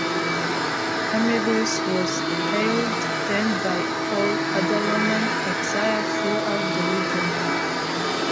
Camillus was hailed then by all other Roman exiles throughout the region.